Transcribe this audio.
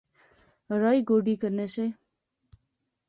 رائی گوڈی کرنے سے